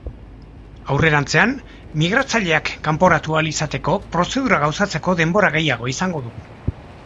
Aurrerantzean, migratzaileak kanporatu ahal izateko prozedura gauzatzeko denbora gehiago izango du.